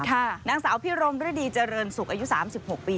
นางสาวพิรมฤดีเจริญสุขอายุ๓๖ปี